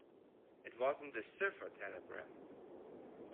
It wasn't a cipher telegram.